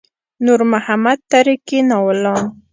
نور محمد تره کي ناولان.